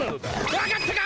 分かったか！